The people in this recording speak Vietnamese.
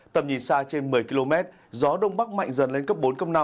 tầm nhìn xa trên một mươi km gió đông bắc mạnh dần lên cấp bốn cấp năm